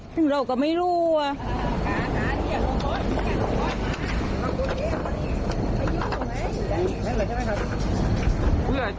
ซึ่งเราก็ไม่รู้ว่า